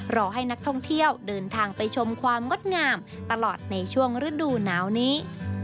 รอให้นักท่องเที่ยวเดินทางไปชมความงดงามตลอดในช่วงฤดูหนาวนี้